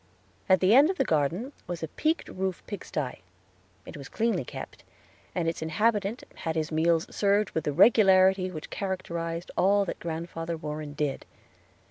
At the end of the garden was a peaked roof pigsty; it was cleanly kept, and its inhabitant had his meals served with the regularity which characterized all that Grandfather Warren did.